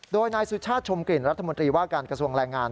โดยนายสุชาติชมกลิ่นรัฐมนตรีว่าการกระทรวงแรงงาน